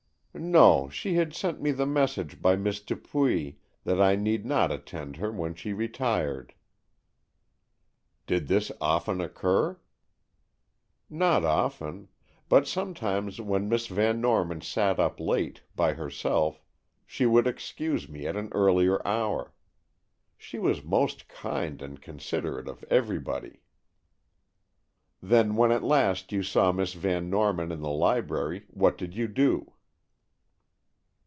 "No; she had sent me the message by Miss Dupuy, that I need not attend her when she retired." "Did this often occur?" "Not often; but sometimes when Miss Van Norman sat up late, by herself, she would excuse me at an earlier hour. She was most kind and considerate of everybody." "Then when at last you saw Miss Van Norman in the library, what did you do?"